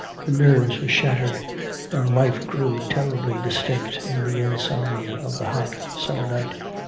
Her nerves were shattered, and life grew terribly distinct in the insomnia of the hot summer night.